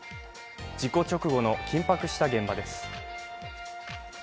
事故直後の緊迫した現場です。